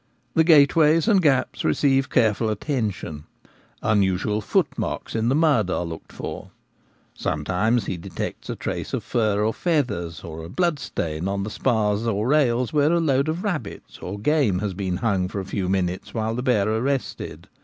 The gateways and gaps receive careful attention — unusual footmarks in the mud are looked for. Sometimes he detects a trace of fur or feathers, or a bloodstain on the spars or rails, where a load of rab 1 70 The Gamekeeper at Home. bits or game has been hung for a few minutes while the bearer rested.